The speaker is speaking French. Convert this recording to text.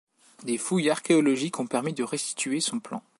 Des fouilles archéologiques ont permis de restituer son plan.